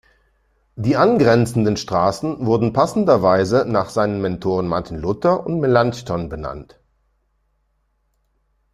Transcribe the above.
Die angrenzenden Straßen wurden passenderweise nach seinen Mentoren Martin Luther und Melanchthon benannt.